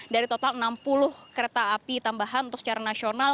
dari total enam puluh kereta api tambahan untuk secara nasional